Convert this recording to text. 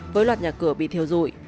với loạt nhà cửa bị thiêu rụi